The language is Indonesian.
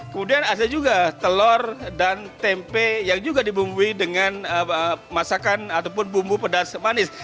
kemudian ada juga telur dan tempe yang juga dibumbui dengan masakan ataupun bumbu pedas manis